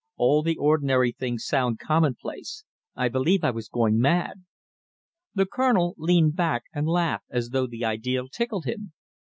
"All the ordinary things sound commonplace. I believe I was going mad." The Colonel leaned back and laughed as though the idea tickled him.